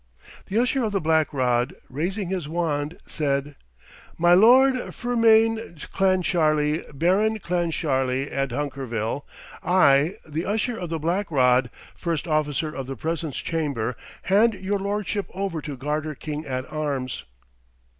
The Usher of the Black Rod, raising his wand, said, "My Lord Fermain Clancharlie, Baron Clancharlie and Hunkerville, I, the Usher of the Black Rod, first officer of the presence chamber, hand your lordship over to Garter King at Arms."